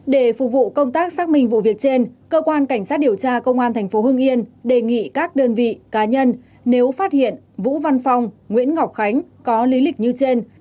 để phục vụ công tác xác minh vụ việc trên cơ quan cảnh sát điều tra công an tp hưng yên đề nghị các đơn vị cá nhân nếu phát hiện vũ văn phong nguyễn ngọc khánh có lý lịch như trên